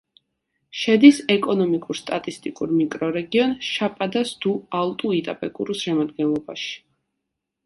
შედის ეკონომიკურ-სტატისტიკურ მიკრორეგიონ შაპადას-დუ-ალტუ-იტაპეკურუს შემადგენლობაში.